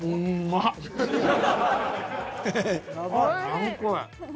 何これ。